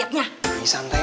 ada yang bikin rant happy